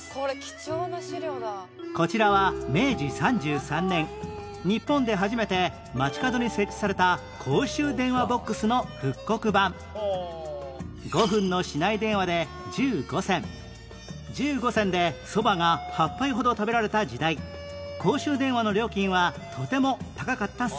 こちらは明治３３年日本で初めて街角に設置された公衆電話ボックスの復刻版１５銭でそばが８杯ほど食べられた時代公衆電話の料金はとても高かったそうです